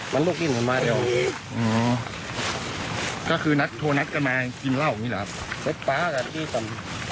แล้วระหว่างที่จะตัดสินใจเอาฟาดแล้วทะเลาะอะไรกัน